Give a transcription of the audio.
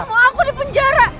papa mau aku di penjara